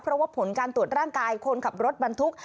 เพราะว่าผลการตรวจร่างกายคนขับรถบรรทุก